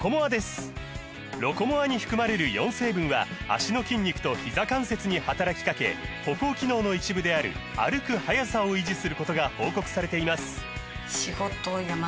「ロコモア」に含まれる４成分は脚の筋肉とひざ関節に働きかけ歩行機能の一部である歩く速さを維持することが報告されています